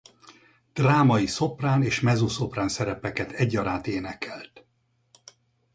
Drámai szoprán és mezzoszoprán szerepeket egyaránt énekelt.